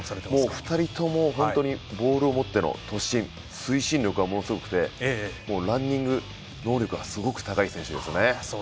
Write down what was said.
もう２人とも本当にボールを持っての突進推進力がものすごくてランニング能力がすごく高い選手ですよね。